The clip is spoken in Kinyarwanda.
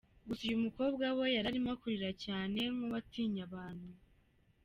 Gusa uyu mukobwa we yari arimo kurira cyane nk’uwatinye abantu.